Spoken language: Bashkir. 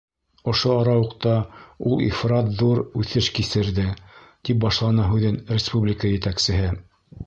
Ошо арауыҡта ул ифрат ҙур үҫеш кисерҙе, — тип башланы һүҙен республика етәксеһе.